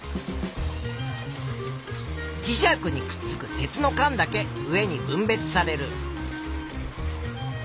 磁石にくっつく鉄の缶だけ上に分別される。